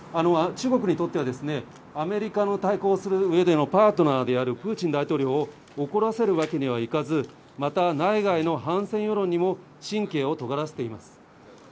中国にとっては、アメリカに対抗するうえでのパートナーであるプーチン大統領を怒らせるわけにはいかず、また内外の反戦世論にも神経をとがらせています。